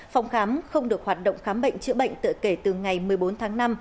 phòng khám không được hoạt động khám bệnh chữa bệnh tự kể từ ngày một mươi bốn tháng năm